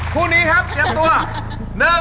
คู่นี้ครับเตรียมตัว